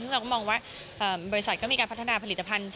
ซึ่งเราก็มองว่าบริษัทก็มีการพัฒนาผลิตภัณฑ์